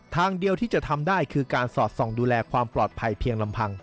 ทางเดียวที่จะทำได้คือการสอดส่องดูแลความปลอดภัยเพียงลำพัง